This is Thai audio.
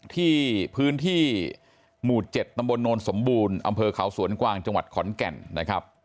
ที่พื้นที่หมู่๗ตำบลโนนสมบูรณ์อำเภอเขาสวนกวางจังหวัดขอนแก่นนะครับ